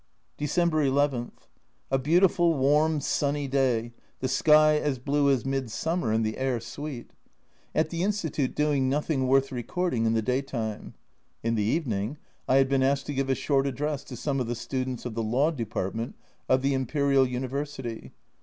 December n. A beautiful, warm, sunny day, the sky as blue as midsummer and the air sweet. At A Journal from Japan 79 the Institute doing nothing worth recording in the day time. In the evening I had been asked to give a short address to some of the students of the Law Department of the Imperial University.